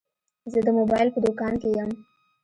زه د موبایل په دوکان کي یم.